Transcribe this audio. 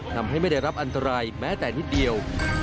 ทำให้ไม่ได้รับอันตรายแม้แต่นิดเดียว